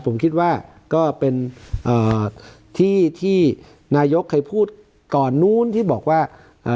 ผมคิดว่าก็เป็นเอ่อที่ที่นายกเคยพูดก่อนนู้นที่บอกว่าเอ่อ